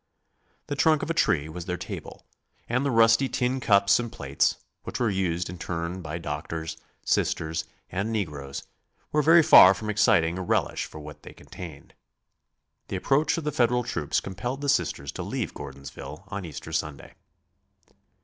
The trunk of a tree was their table and the rusty tin cups and plates, which were used in turn by doctors, Sisters and negroes, were very far from exciting a relish for what they contained. The approach of the Federal troops compelled the Sisters to leave Gordonsville on Easter Sunday.